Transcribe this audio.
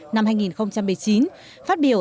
năm hai nghìn một mươi chín phát biểu